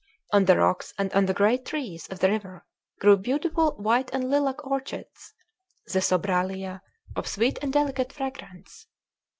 On the rocks and on the great trees by the river grew beautiful white and lilac orchids, the sobralia, of sweet and delicate fragrance.